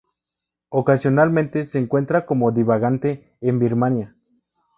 Ocasionalmente se encuentra como divagante en Birmania.